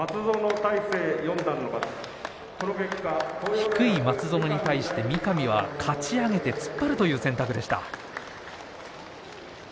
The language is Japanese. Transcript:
低い松園に対して三上はかち上げて突っ張るという選択でした。